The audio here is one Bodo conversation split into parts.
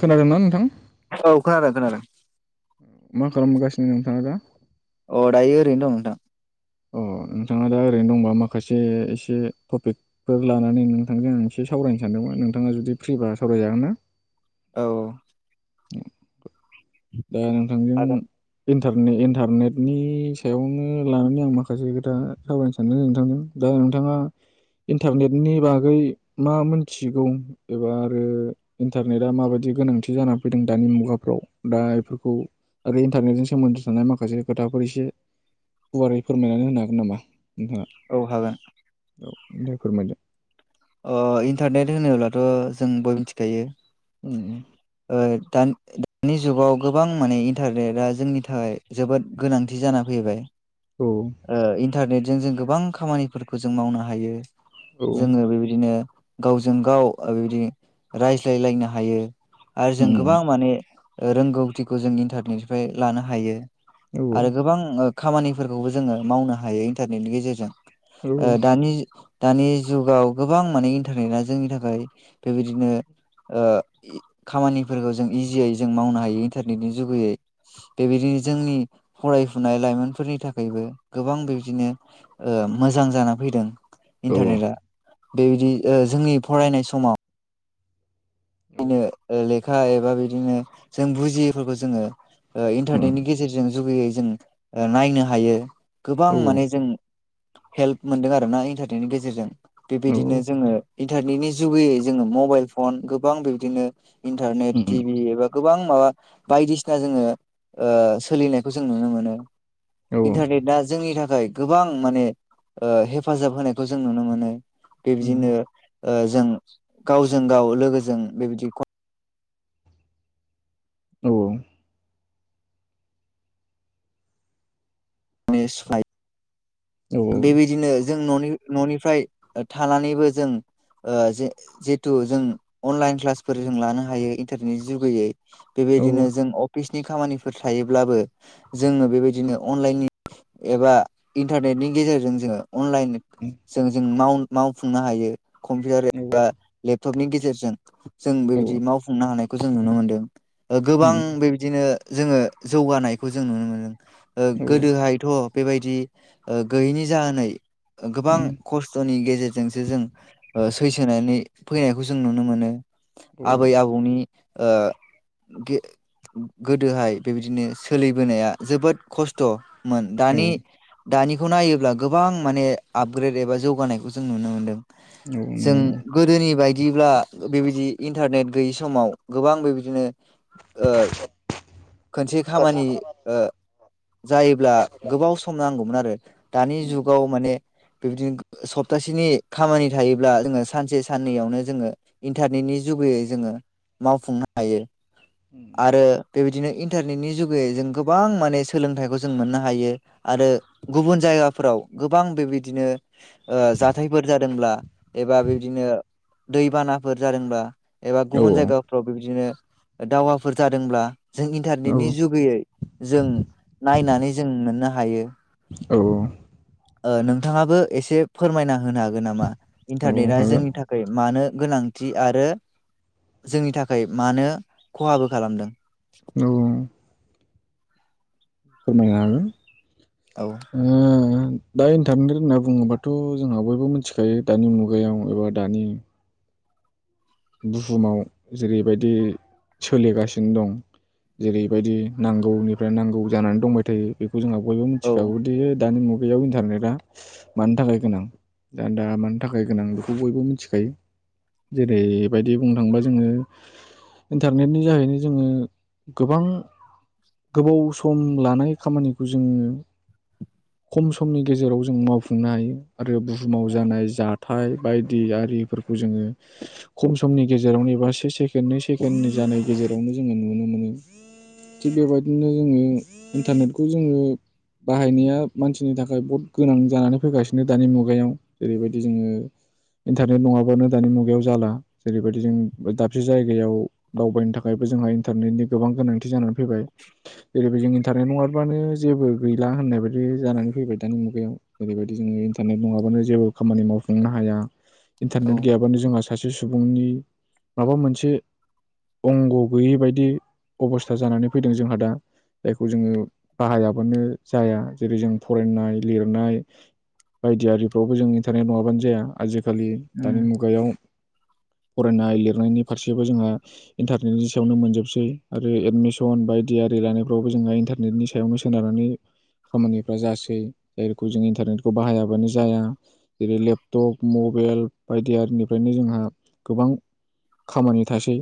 खोनादोंना नोंथां औ खोनादों खोनादों । मा खालामगासिनो नोंथाङा दा? अ दायो ओरैनो दं नोंथां। अ नोंथाङा दा ओरैनो दंबा माखासे एसे टपिकफोर लानानै नोंथांजों आं एसे सावरायनो सानदोंमोन नोंथाङा जुदि फ्रिबा सावरायजागोन ना? औ दा औ नोंथांजों हागोन इन्टारने इन्टारनेटनि सायावनो लानानै आं माखासे खोथा सावरायनो सानदों नोंथांजों । दा नोंथाङा इन्टारनेटनि बागै मा मोनथिगौ एबा आरो इन्टारनेटआ माबायदि गोनांथि जाना फैदों दानि मुगाफ्राव? दा बेफोरखौ आरो इन्टारनेटजों सोमोन्दो थानाय माखासे खोथाफोर एसे गुवारै फोरमायनानै होनो हागोन नामा नोंथांनि? औ हागोन। औ दे फोरमायदो । अ इन्टारनेट होनोब्लाथ जों बयबो मिथिखायो ओ दान दानि जुगाव गोबां माने इन्टारनेटआ जोंनि थाखाय जोबोद गोनांथि जाना फैबाय औ ओ इन्टारनेट जों जों गोबां खामानिफोरखौ जों मावनो हायो। औ जोङो बेबायदिनो गावजों गाव बेबायदि रायज्लायलायनो हायो। आरो जों उम गोबां माने रोंगौथिखौ जों इन्टारनेटनिफ्राय लानो हायो। औ आरो गोबां ओ खामानिफोरखौ बेखौबो जोङो मावनो हायो इन्टारनेटनि गेजेरजों औ ओ दानि दानि जुगाव गोबां माने इन्टारनेटआ जोंनि थाखाय बेबायदिनो खामानिफोरखौ जों इजियै जों मावनो हायो इन्टारनेटनि जुगैयै बेबायदिनो जोंनि फरायफुनाय लाइमोनफोरनि थाखाय थाखायबो गोबां बिबदिनो मोजां जानानै फैदों। औ इन्टारनेटा बेबायदि जोंनि फरायनाय समाव बिनो खा एबा बिदिनो जों बुजियैफोरखौ जोङो उम इन्टारनेटनिजेरजों जुगैयै जों नायनो हायो गोबां औ माने जों हेल्प मोनदों आरोना इन्टारनेटनि गेजेरजों बेबायदिनो जोङो इन्टारनेटनि जुगैयै जोङो मबाइल फन गोबां गोबां बिबदिनो इन्टारनेट उम औ उम टिभि एबा गोबां माबा बायदिसिना जोङो सोलिनायखौ जों नुनो मोनो औ उम औ उम औ इन्टारनेटआ जोंनि थाखाय गोबां माने हेफाजाब होनायखौ जों नुनो मोनो बेबायदिनो जों गावजों गाव लोगोसे जों बेबायदि औ औ [inaudible] उम बेबायदिनो जों न'नि न'निफ्राय थानानैबो जों जेथु जों अनलाइन क्लासफोर जों लानो हायो इन्टारनेटनि जुगैयै बेबायदिनो जों अफ फिसनि खामानिफोर थायोब्लाबो जोङो बेबायदिनो अनलाइननि एबा इन्टारनेटनि गेजेरजों जोङो अनलाइन जों जों मावफुंनो हायो कम्पिउटार एबा लेपटपनि गेजेरजों जों औ बेबायदि मावफुंनो हानायखौ जों नुनो मोनदों गोबां नंगौ बेबायदिनो जोङो जौगानायखौ जों नुनो मोनदों गोदोहायथ' बेबायदि ओ गैयैनि जाहोनै गोबां खस्थ'नि गेजेरजोंसो जों सैसोनानै फैनायखौ जों नुनो मोनो आबै आबौनि गोदोहाय बेबायदिनो सोलिबोनाया जोबोद खस्थ' [unintelligible] दानि नायोब्ला गोबां माने आपग्रेड एबा जौगानायखौ जों नुनो मोन्दों औ नंगौ नंगौ गोदोनि बायदिब्ला बेबायदि इन्टारनेट गैयि समाव गोबां बेबायदिनो ओ खनसे खामानि ओ जायोब्ला गोबाव सम नांगौमोन आरो दानि उम जुगाव माने बेबायदिनो सप्तासेनि खामानि थायोब्ला जोङो सानसे साननैयावनो जोङो इन्टारनेटनि जुगैयै जोङो मावफुंनो हायो आरो बेबायदिनो इन्टारनेटनि जुगयै जों गोबां माने सोलोंथाइखौ जों मोननो हायो आरो गुबुन जायगाफोराव गोबां बेबायदिनो ओ जाथायफोर जादोंब्ला एबा बेबदिनो दैबानाफोर जादोंब्ला एबा गुबुन जायगाफ्राव बेबदिनो दावहाफोर जादोंब्ला जों औ इन्टारनेटनि जुगैयै जों नायनानै जों मोननो हायो औ औ ओ नोंथाङाबो एसे फोरमायना होनो हागोन नामा औ इन्टारनेटआ हागोन जोंनि थाखाय मानो गोनांथि आरो जोंनि थाखाय मानो खहाबो खालामदों औ फोरमायनो हागोन औ ओ दा इन्टारनेट होनना बुङोबाथ' जोंहा बयबो मिथिखायो दानि मुगायाव एबा दानि बुहुमाव जेरैबायदि सोलिगासिनो दं जेरैबायदि नांगौनिफ्राय नांगौ जानानै दंबाय थायो बे खौ जोंहा बयबो औ मिथिखागौदि दानि मु गायाव इन्टारनेटआ मानि थाखाय गोनां दा दा मानि थाखाय गोनां बेखौ बयबो मिथिखायो जेरै बायदि बुंनो थांङोबा जोङो इन्टारनेटनि जहैनो जोङो गोबां गोबाव सम लानाय खामानिखौ जोङो खम समनि गेजेराव जों मावफुंनो हायो आरो बुहुमाव जानाय जाथाय बायदि आरिफोरखौ जोङो खम समनि गेजेरावनो एबा से से केण्ड नै सेकेण्डनि जानाय गेजेरावनो जोङो नुनो मोनो थिग बेबायदिनो जोङो इन्टारनेटखौ जोङो बाहायनाया मानसिनि थाखाय बहुद गोनां जानानै फैगासिनो दानि मुगायाव जेरैबायदि जोङो इन्टारनेट नङाबानो दानि मुगायाव जाला जेरैबायदि जों दाबसे जायगायाव दावबायनो थाखायबो जोंहा इन्टारनेटनि गोबां गोनांथि जानानै फैबाय जेरैबायदि जों इन्टारनेट नङाबाबानो जेबो गैला होननाय बायदि जानानै फैबाय दानि मुगायाव जेरैबायदि जोङो इन्टारनेट नङाबानो जेबो खामानि मावफुंनो हाया इन्टारनेट औ गयाबानो जोंहा सासे सुबुंनि माबा मोनसे अंग' गैयै बायदि अबस्था जानानै फैदों जोंहा दा जायखौ जोङो बाहायाबानो जाया जेरै जों फरायनाय लिरनाय बायदि आरिफ्रावबो जों इन्टारनेट नङाबानो जाया आजि खालि दानि उम मुगायाव फरायनाय लिर नायनि फारसेबो जोंहा इन्टारनेटनि सायावनो मोनजोबसै आरो एडमिसन बायदि आरि लानायफ्रावबो जोंहा इन्टारनेटनि सायावनो सोनारनानै खामानिफ्रा जासै जायखौ जों इन्टारनेटखौ बाहायाबानो जाया जेरै लेपटप मबाइल बायदि आरिनिफ्रायनो जोंहा गोबां खामानि थासै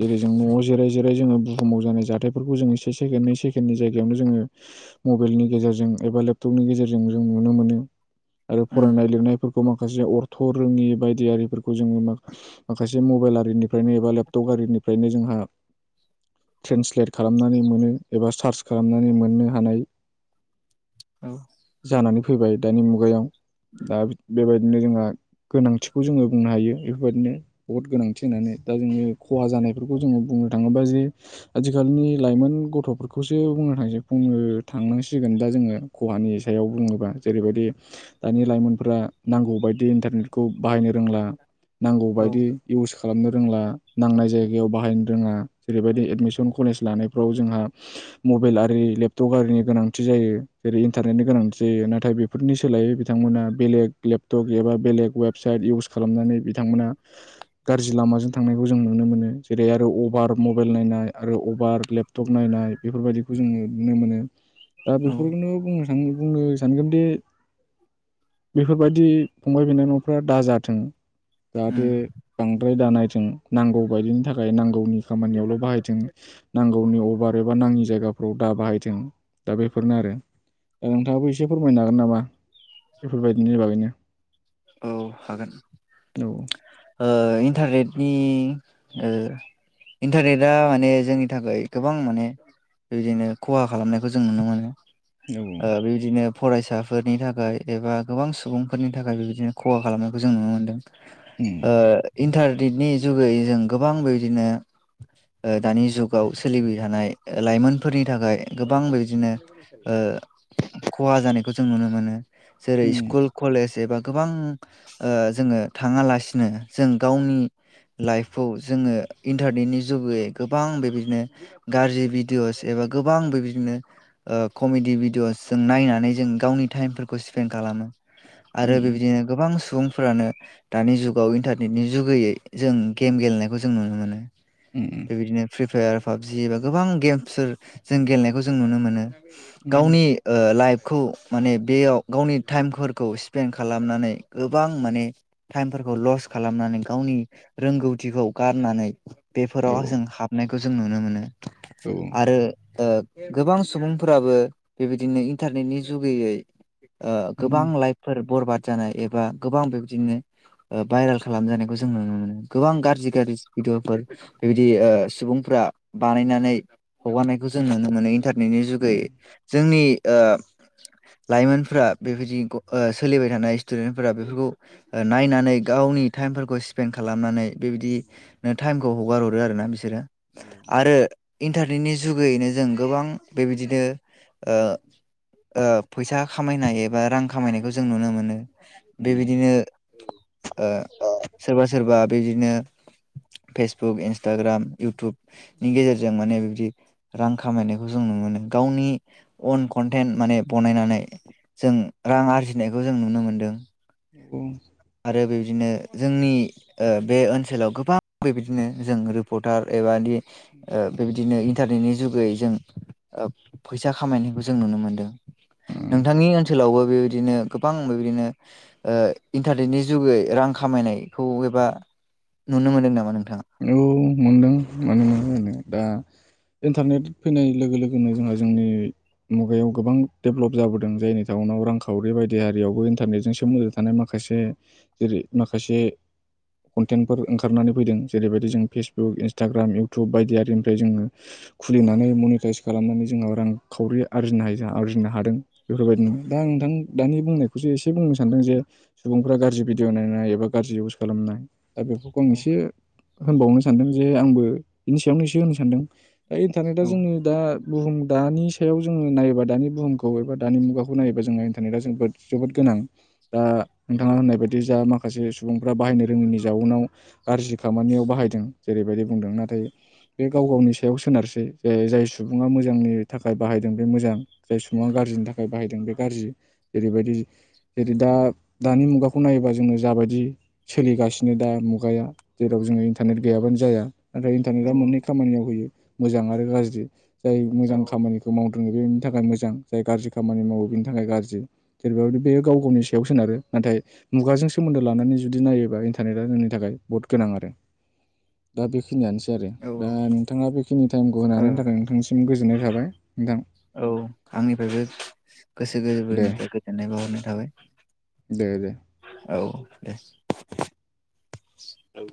जेरै जों न'आव जिराय जिराय जोङो बुहुमाव जानाय जाथायफोरखौ जोङो से सेकेड नै सेकेण्डनि जायगायावनो जोङो मबाइलनि गेजेरजों एबा लेपटपनि गेजेरजों जों नुनो मोनदों आरो उम फरायनाय लिरनायफोरखौ माख खासे अर्थ' रोङि बायदिआरिफोरखौ जोङो माख माखासे मबाइल आरिनि फ्रायनो एबा लेपटप आरिनिफ्रायनो जोंहा ट्रेन्सलेट खालामनानै मोनो एबा सार्च खालामनानै मोननो हानाय औ जानानै फैबाय दानि मुगायाव दा बेबायदिनो जोंहा गोनांथिखौ जोङो बुंनो हायो। बेफोरबायदिनो बहुद गोनांथि होननानै दा जोङो खहा जानायफोरखौ जोङो बुंनो थाङोबा जे आथिखालनि लाइमोन गथ'फोरखौसो बुंनो थासै बुंनो थांनांसिगोन दा जोङो खहानि सायाव बुङोबा जेरैबायदि दानि लाइमोनफोरा नांगौ बायदि इन्टारनेटखौ बाहायनो रोंला नांगौ औ बायदि इउस खालामनो रोंला नांनाय जायगायाव बाहायनो रोङा जेरैबायदि एडमिसन कलेज लानाय फ्राव जोंहा मबाइल आरि लेपटप आरिनि गोनांथि जायो जेरै इन्टारनेटनि गोनांथि जायो नाथाय बेफोरनि सोलायै बिथांमोना बेलेग लेपटप एबा बेलेग वेबसाइट इउस खालामनानै। बिथांमोना गाज्रि लामाजों थांनायखौ जों नुनो मोनो जेरै आरो अफ भार मबाइल नायनाय आरो अभार लेपटप नायनाय बेफोरबायदिखौ जोङो नुनो मोनो दा औ बेफोरखौनो बुंनो आं बुंनो सानगोनदि बेफोरबायदि फंबाय -बिनानाव फ्रा दाजाथों उम जाहाथे बांद्रा द्राय दा नायथों। नांगौ बायदिनि थाखाय नांगौनि खामानियावल' बाहायथों नांगौनि अब बार एबा नाङि जायगाफ्राव दा बाहायथों। दा बेफोरनो आरो। दा नोंथाङाबो एसे फोरमायनो हागोन नामा बेफोरबायदिनि बागैनो? औ हागोन। औ ओ इन्टारनेटनि ओ इन्टारनेटआ माने जोंनि थाखाय गोबां माने बिदिनो खहा खालामनायखौ जों नुनो मोनो। औ ओ बेबादिनो फरायसाफोरनि थाखाय एबा गोबां सुबुंफोरनि थाखाय बिबायदि दिनो खहा खालामनायखौ जों नुनो मोनदों। उम ओ इन्थार नेटनि जुगै जों गोबां बेबायदिनो ओ दानि जुगाव सोलिबाय थानाय लाइमोनफोरनि थाखाय गोबां बेबायदिनो ओ खहा जानायखौ जों नुनो मोनो । जेरै उम स्कुल कलेज [unintelligible] गोबां ओ जोङो थाङालासिनो जों गावनि लाइफखौ जोङो इन्टारनेटनि जुगै गोबां बेबायदिनो गाज्रि भिडिअ'स एबा गोबां बेबायदिनो ओ कमेडि भिडिअस जों नायनानै जों गावनि टाइमफोरखौ स्पेन्ड खालामो आरो उम। बेबायदिनो गोबां सुबुंफोरानो दानि जुगाव इन्टारनेटनि जुगैयै जों गेम गेलेनायखौ जों नुनो मोनो । उम बे बिदिनो फ्रि फायार पाबजि एबा गोबां गेम्सफोर जों गेलेनायखौ जों नुनो मोनो । उम गावनि ओ लाइफखौे माने बेयाव गावनि टाइमफोरखौ स्पेन्ड खालामनानै गोबां माने टाइमफोरखौ ल'स खालामनानै गावनि रोंगौथिखौ गारनानै औ बेफोराव जों हाबनाय खौ जों नुनो मोनो औ उम । आरो ओ गोबां सुबुंफोराबो बेबायदिनो इन्टारनेटनि जुगैयै ओ गोबां उम औ लाइफफोर बरबाद जानाय एबा गोबां बेबायदिनो भाइरेल खालाम जानायखौ जों नुनो मोनो गोबां गाज्रि गाज्रि भिडिअफोर बेबायदि ओ सुबुंफ्रा बानायनानै हगारनायखौ जों नुनो मोनो इन्टारनेटनि जुगै जोंनि ओ लाइमोनफ्रा बेबायदि सोलिबाय थानाय स्टुडेन्टफोरा बेफोरखौ नायनानै गावनि टाइमफोरखौ स्पेन्ड खालामनानै बेबायदिनो टाइमखौ हगार हरो आरो ना बिसोरो आरो इन्थार नि जुगैयैनो जों गोबां बेबायदिनो ओ ओ फैसा खामायनाय एबा रां खामायनायखौ जों नुनो मोनो । उम बेबायदिनो ओ सोरबा सोरबा बिदिनो फेसबुक, इन्सटाग्राम, इउटुब नि गेजेरजों माने बिबदि रां खामायनायखौ जों नुनो मोनो गावनि अन कनटेन्ट माने बनायनानै जों रां आरजि नायखौ जों नुनो मोन्दों । औ आरो बेबदिनो जोंनि ओ बे ओनसोलाव गोबां बेबायदिनो जों रिपर्टार एबा ओ बेबायदिनो इन्टारनेटनि जुगै जों ओ फैसा खामायनायखौ जों नुनो मोनदों उम नोंथांनि ओनसोलावबो बेबायदिनो गोबां बेबायदिनो ओ इन्टारनेटनि जुगै रां खामायनायखौ एबा नुनो मोनदों नामा नों थां मा होनो दा इन्टारनेट फैनाय लोगो लोगोनो जोंहा जोंनि मुगायाव गोबां डेभेलप जाबोदों जायनि थउनाव रांखावरि बायदि हारियावबो इन्टारनेटजों सोमोन्दो थानाय माखासे जेरै माखासे कनटेन्टफोर ओंखारनानै फैदों जेरैबायदि जों फेसबुक, इन्सटाग्राम, इउटुब बायदि आरिनिफ्राय जोङो खुलिनानै मनिटाइस खालामनानै जोंनाव रांखावरि आरजिनो हायो आरजिनो हादों बेफोरबायदि नो दा नोंथां दानि बुंनायखौसो एसे बुंनो सानदों जे सुबुंफ्रा गाज्रि भिडिअ नायनाय एबा गाज्रि इउस खालामनाय दा बेफोरखौ आं औ एसे होनबावनो सानदों जे आंबो बिनि सायावनो एसे होननो सानदों इन्टारनेटआ औ जोंनि दा बुहुम दानि सायाव जोङो नायोबा दानि बुहुमखौ एबा दानि मुगाखौ नायोबा जोंना इन्टारनेटा जोबोद जोबोद गोनां दा औ नोंथाङा होननाय बायदि जा माखा माखासे सुबुंफ्रा बाहायनो रोङैनि जाउनाव गाज्रि खामानियाव बाहायदों जेरैबायदि बुंदों नाथाय बे गाव गावनि सायाव सोनारसै जे जाय सुबुङा मोजांनि थाखाय बाहायदों बे मोजां जाय सुबुङा गाज्रिनि थाखाय बाहायदों बे गाज्रि जेरैबायदि जेरै दा दानि मुगाखौ नायोबा जोङो जाबायदि सोलिगासिनो दा मुगाया जेराव जोङो नेट गैयाबानो जाया नाथाय इन्टारनेटआ मोननै खामानियाव होयो मोजां आरो गाज्रि जाय औ मोजां खामानिखौ माव रोङो इनि थाखाय मोजां जाय गाज्रि खामानि मावो बेनि थाखाय गाज्रि जेरैबाबो बेयो गाव गावनि सायाव सोनारो नाथाय मुगाजों सोमोन्दो लानानै जुदि नायोबा इन्टारनेटआ जोंनि थाखाय बहुत गोनां आरो। दा बेखि खिनियानोसै आरो औ दा नोंथाङा बेखिनि टाइमखौ होनो हानायनि थाखाय नोंथांनिसिम गो जोन्नाय थाबाय। नोंथां औ आंनिफ्रायबो गोसो दे गोरबोनिफ्राय गोजोननाय बाहरनाय। थाबाय। दे दे। औ दे औ।